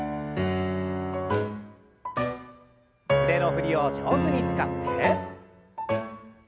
腕の振りを上手に使って。